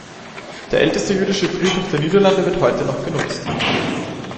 Der älteste jüdische Friedhof der Niederlande wird heute noch genutzt.